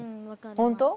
本当？